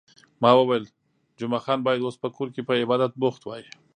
ما وویل، جمعه خان باید اوس په کور کې په عبادت بوخت وای.